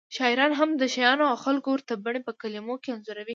شاعران هم د شیانو او خلکو ورته بڼې په کلمو کې انځوروي